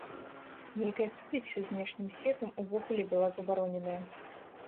Нейкая сувязь са знешнім светам увогуле была забароненая.